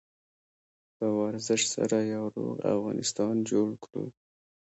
په ورزش سره یو روغ افغانستان جوړ کړو.